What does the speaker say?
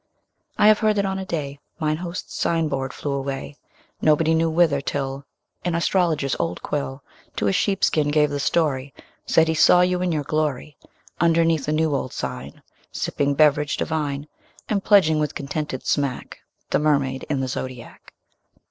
I have heard that on a day Mine host's sign board flew away, Nobody knew whither, till An astrologer's old quill To a sheepskin gave the story, Said he saw you in your glory, Underneath a new old sign Sipping beverage divine, 20 And pledging with contented smack The Mermaid in the Zodiac.